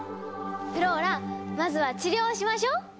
フローラまずは治療をしましょう！